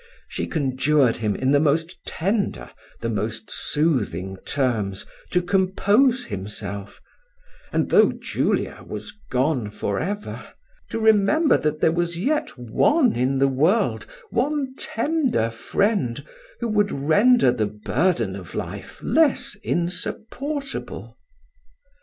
She conjured him in the most tender, the most soothing terms, to compose himself, and, though Julia was gone for ever, to remember that there was yet one in the world, one tender friend who would render the burden of life less insupportable.